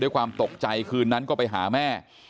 ความตกใจคืนนั้นก็ไปหาแม่